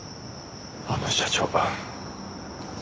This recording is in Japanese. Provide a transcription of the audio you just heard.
あの社長！